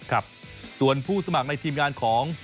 ครับส่วนผู้สมัครในทีมงานของ